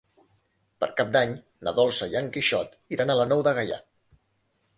Per Cap d'Any na Dolça i en Quixot iran a la Nou de Gaià.